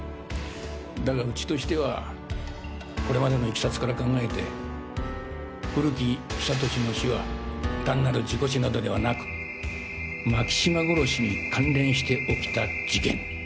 だがうちとしてはこれまでのいきさつから考えて古木久俊の死は単なる事故死などではなく牧島殺しに関連して起きた事件。